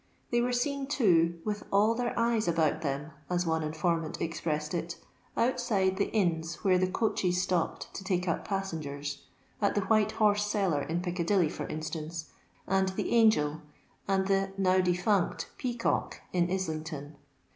They were seen too, " with all their eyes about them," as one informant expressed it, out side the inns where the coaches stopped to take up passengers— at the White Horse Cellar in Piccadilly, for instance, and the Angel and the (now defunct) Peacock in Islington.